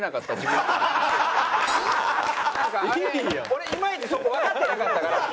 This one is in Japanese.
俺いまいちそこわかってなかったから。